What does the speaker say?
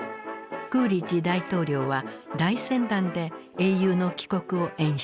クーリッジ大統領は大船団で英雄の帰国を演出した。